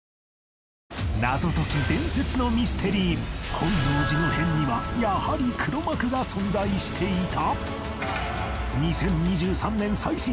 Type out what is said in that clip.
本能寺の変にはやはり黒幕が存在していた！？